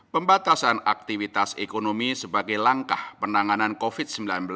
pembatasan aktivitas ekonomi sebagai langkah penanganan covid sembilan belas